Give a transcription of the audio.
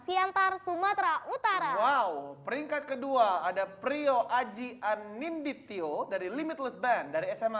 siantar sumatera utara wow peringkat kedua ada prio aji aninditio dari limitles band dari sma